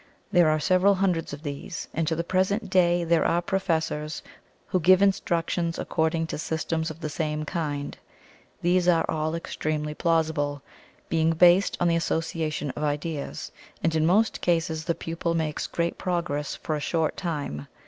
There are several hundreds of these, and to the present day there are professors who give instructions according to systems of the same kind. These are all extremely plausible, being based on Association of ideas, and in most cases the pupil makes great progress for a short time.